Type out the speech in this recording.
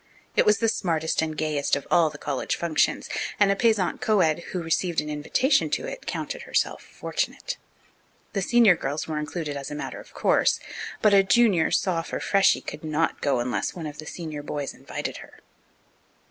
It was the smartest and gayest of all the college functions, and a Payzant co ed who received an invitation to it counted herself fortunate. The senior girls were included as a matter of course, but a junior, soph, or freshie could not go unless one of the senior boys invited her.